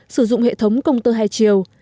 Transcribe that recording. sử dụng hệ thống công tơ hai chiều